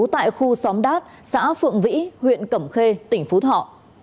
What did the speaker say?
tại khu xóm đát xã phượng vĩ huyện cẩm khê tỉnh phú thọ